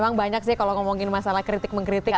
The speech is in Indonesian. memang banyak sih kalau ngomongin masalah kritik mengkritik ya